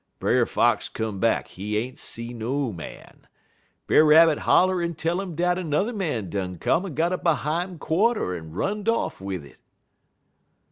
Brer Fox come back; he ain't see no man. Brer Rabbit holler en tell 'im dat 'ne'r man done come en got a behime quarter en run'd off wid it.